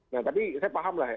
nah tapi saya paham lah